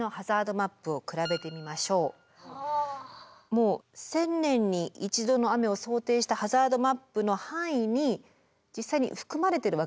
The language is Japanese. もう１０００年に１度の雨を想定したハザードマップの範囲に実際に含まれてるわけですよね今回の。